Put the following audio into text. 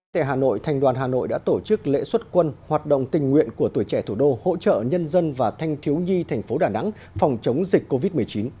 tại hà nội thành đoàn hà nội đã tổ chức lễ xuất quân hoạt động tình nguyện của tuổi trẻ thủ đô hỗ trợ nhân dân và thanh thiếu nhi thành phố đà nẵng phòng chống dịch covid một mươi chín